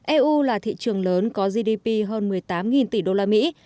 eu là thị trường lớn có gdp hơn một mươi tám tỷ đô la mỹ